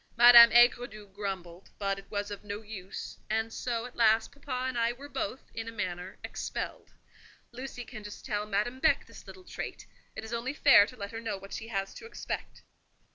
Madame Aigredoux grumbled, but it was of no use; and so, at last, papa and I were both, in a manner, expelled. Lucy can just tell Madame Beck this little trait: it is only fair to let her know what she has to expect."